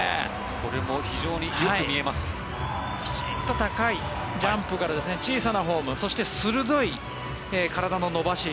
これも非常にきちんと高いジャンプ小さなフォームそして、鋭い体の伸ばし。